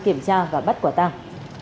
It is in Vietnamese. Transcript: kiểm tra và bắt quả tàng